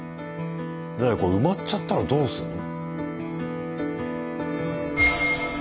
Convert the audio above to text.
これ埋まっちゃったらどうするの？